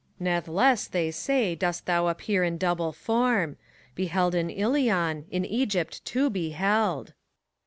PHORKYAS. Nathless, they say, dost thou appear in double form; Beheld in Ilion, — ^in Egypt, too, beheld.